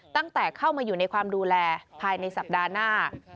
ตั้งแต่เข้ามาอยู่ในความดูแลภายในสัปดาห์หน้า